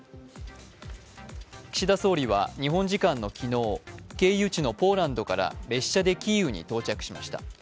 岸田総理は日本時間の昨日、経由地のポーランドから列車でキーウに到着しました。